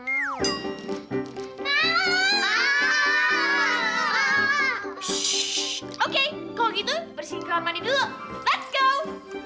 oke kalau gitu bersihkan kamar mandi dulu let's go